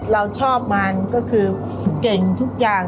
เราชอบมันก็คือเก่งทุกอย่าง